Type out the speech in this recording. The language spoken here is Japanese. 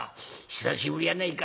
久しぶりやないか。